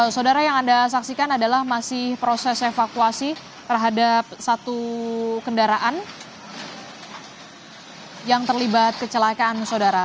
saudara yang anda saksikan adalah masih proses evakuasi terhadap satu kendaraan yang terlibat kecelakaan saudara